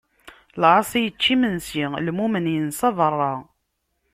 Lɛaṣi ičča imensi, lmumen insa beṛṛa.